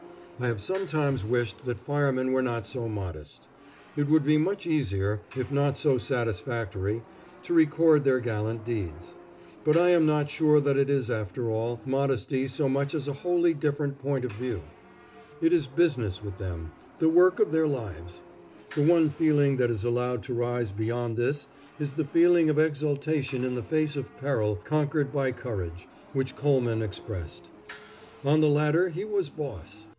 I have sometimes wished that firemen were not so modest. It would be much easier, if not so satisfactory, to record their gallant deeds. But I am not sure that it is, after all, modesty so much as a wholly different point of view. It is business with them, the work of their lives. The one feeling that is allowed to rise beyond this is the feeling of exultation in the face of peril conquered by courage, which Coleman expressed. On the ladder he was boss!